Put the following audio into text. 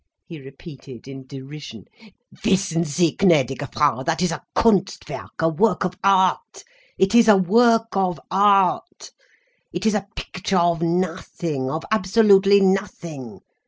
he repeated, in derision. "Wissen sie, gnädige Frau, that is a Kunstwerk, a work of art. It is a work of art, it is a picture of nothing, of absolutely nothing.